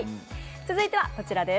続いてはこちらです。